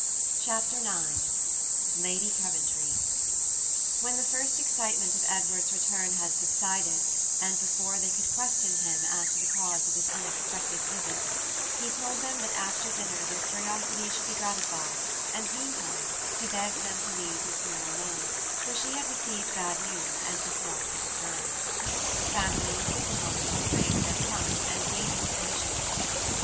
Chapter IX LADY COVENTRY When the first excitement of Edward's return had subsided, and before they could question him as to the cause of this unexpected visit, he told them that after dinner their curiosity should be gratified, and meantime he begged them to leave Miss Muir alone, for she had received bad news and must not be disturbed. The family with difficulty restrained their tongues and waited impatiently.